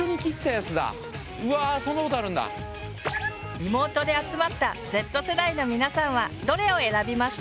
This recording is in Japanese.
リモートで集まったＺ世代の皆さんはどれを選びました？